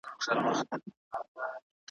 نبيان له شيطان څخه معصوم او مامون دي.